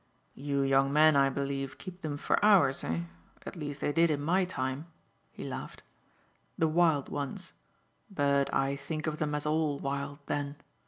"You young men, I believe, keep them for hours, eh? At least they did in my time," he laughed "the wild ones! But I think of them as all wild then.